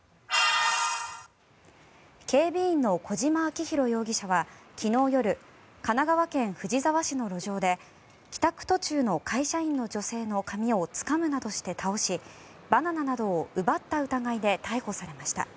警備員の小島顕弘容疑者は昨日夜神奈川県藤沢市の路上で帰宅途中の会社員の女性の髪をつかむなどして倒しバナナなどを奪った疑いで逮捕されました。